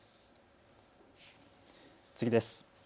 次です。